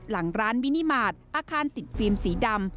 หลังร้านมินิมาตรอาคารติดฟิล์มสีดำ